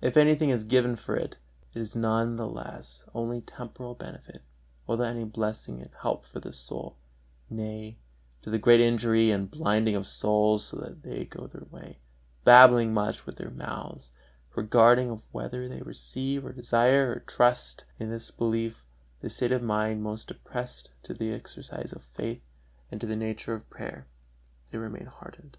If anything is given for it, it is none the less only temporal benefit without any blessing and help for the soul; nay, to the great injury and blinding of souls, so that they go their way, babbling much with their mouths, regardless of whether they receive, or desire, or trust; and in this unbelief, the state of mind most opposed to the exercise of faith and to the nature of prayer, they remain hardened.